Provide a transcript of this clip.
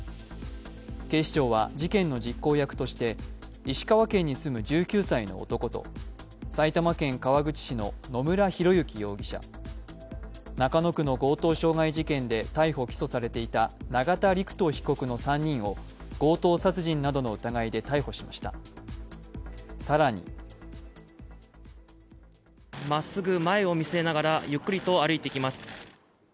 警視庁は事件の実行役として石川県に住む１９歳の男と埼玉県川口市の野村広之容疑者、中野区の強盗傷害事件で逮捕・起訴されていた永田陸人被告の３人を強盗殺人などの疑いで逮捕しました、更にまっすぐ前を見据えながらゆっくりと歩いて行きます。